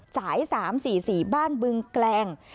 สาย๓๔๔บ้านบึงแกลง